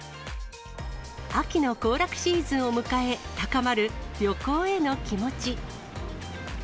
秋の行楽シーズンを迎え、高まる旅行への気持ち。